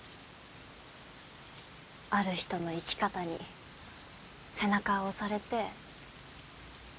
ある人の生き方に背中を押されて。